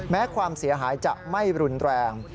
ความเสียหายจะไม่รุนแรง